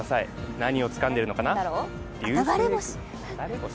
何をつかんでるのかな、流れ星？